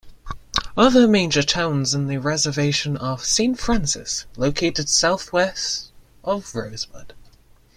Other major towns in the reservation are Saint Francis, located southwest of Rosebud.